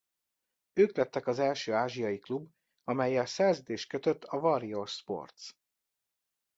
Ők lettek az első ázsiai klub amellyel szerződést kötött a Warrior Sports.